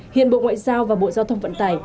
hiện bộ ngoại giao và bộ giao thông vận tải